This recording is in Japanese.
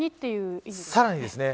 さらにですね。